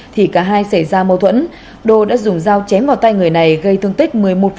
thì cả hai xảy ra mâu thuẫn đô đã dùng dao chém vào tay người này gây thương tích một mươi một